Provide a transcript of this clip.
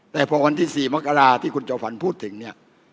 แต่พอวันที่๔มกราที่คุณจอมฝันพูดถึงเนี่ย